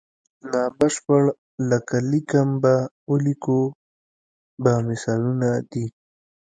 نا بشپړ لکه لیکم به او لیکو به مثالونه دي.